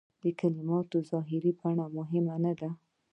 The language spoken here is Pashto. د کلماتو ظاهري بڼه مهمه نه ده.